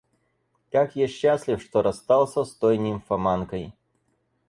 Как я счастлив, что расстался с той нимфоманкой!